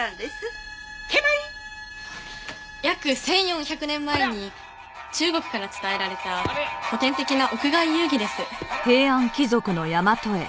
約１４００年前に中国から伝えられた古典的な屋外遊戯です。